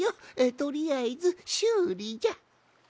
とりあえずしゅうりじゃ。